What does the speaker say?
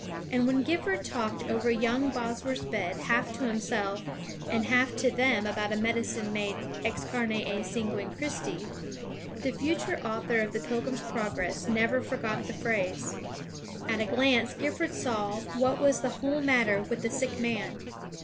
And when Gifford talked over young Bosworth's bed half to himself and half to them about a medicine made ex carne et sanguine Christi, the future author of the Pilgrim's Progress never forgot the phrase. At a glance Gifford saw what was the whole matter with the sick man.